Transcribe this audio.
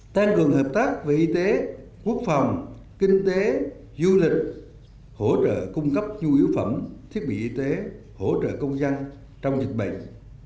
tăng cường hợp tác về y tế quốc phòng kinh tế du lịch hỗ trợ cung cấp nhu yếu phẩm thiết bị y tế hỗ trợ công dân trong dịch bệnh